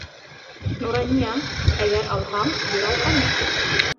Нурания, әгәр алһаң, бир алҡаны.